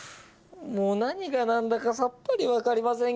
もう何がなんだかさっぱりわかりませんけど